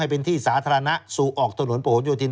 เป็นที่สาธารณะสู่ออกถนนผนโยธิน